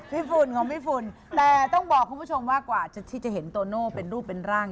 ฝุ่นของพี่ฝุ่นแต่ต้องบอกคุณผู้ชมว่ากว่าที่จะเห็นโตโน่เป็นรูปเป็นร่าง